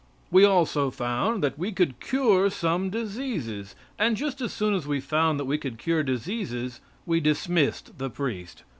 We also found that we could cure some diseases, and just as soon as we found that we could cure diseases we dismissed the priest.